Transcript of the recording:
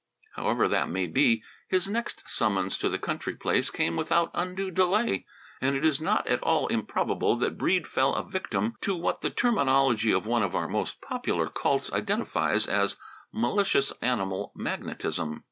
However that may be, his next summons to the country place came without undue delay, and it is not at all improbable that Breede fell a victim to what the terminology of one of our most popular cults identifies as "malicious animal magnetism."